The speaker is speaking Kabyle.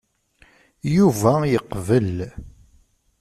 Yuba yeqbel.